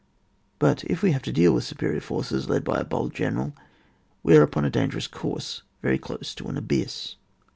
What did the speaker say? But if we have to deal with superior forces, led by a bold general, we are upon a dangerous course, very close to an abyss.